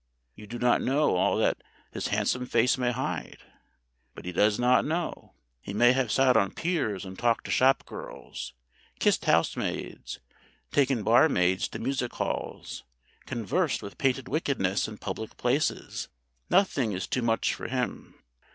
You do not know all that his handsome face may hide. Even he does not know. He may have sat on piers and talked to shop girls, kissed housemaids, taken barmaids to music halls, conversed with painted wickedness in public places nothing is too much for him.